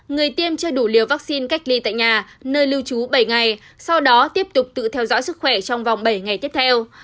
người tiêm chưa đủ liều vaccine cách ly tại nhà nơi lưu trú bảy ngày sau đó tiếp tục tự theo dõi sức khỏe trong vòng bảy ngày tiếp theo